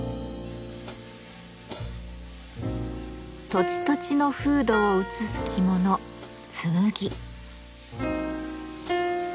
土地土地の風土を映す着物「紬」。